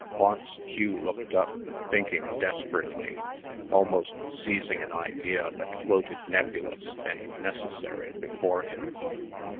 Once Hugh looked up, thinking desperately, almost seizing an idea that floated nebulous and necessary before him.